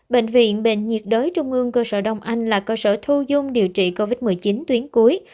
bệnh viện bệnh nhiệt đới trung ương cơ sở đông anh là cơ sở thu dung điều trị covid một mươi chín tuyến cuối